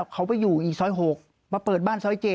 เขาไปอยู่อีกซอย๖มาเปิดบ้านซอย๗